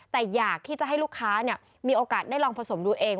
แต่อยากที่จะให้ลูกค้ามีโอกาสได้ลองผสมดูเอง